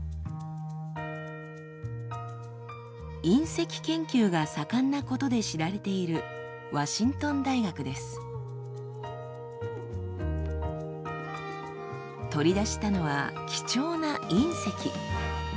隕石研究が盛んなことで知られている取り出したのは貴重な隕石。